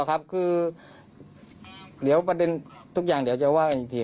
ไม่เกี่ยวกับพิษศักดิ์สังค้าหรือบาราชิสไม่มี